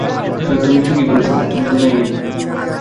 আসলে তুমিই ঠিকই বলেছ, তুমি তো মেয়েই না!